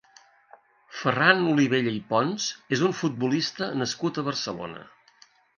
Ferran Olivella i Pons és un futbolista nascut a Barcelona.